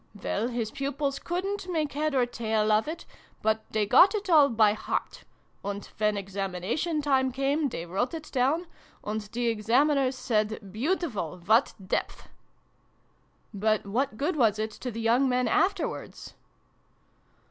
Well, his pupils couldn't make head or tail of it, but they got it all by heart ; and, when Examination time came, they wrote it down ; and the Examiners said ' Beautiful ! What depth !'" "But what good was it to the young men afterwards